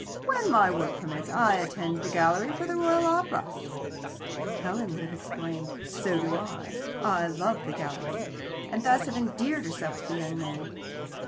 "When my work permits, I attend the gallery for, the Royal Opera." Helen would have exclaimed, "So do I. I love the gallery," and thus have endeared herself to the young man.